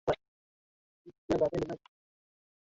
Damu zikaanza kutoka kwenye jeraha alilokua amepewa Jacob